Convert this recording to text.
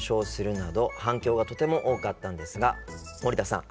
反響がとても多かったのですが森田さん